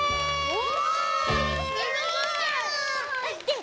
お！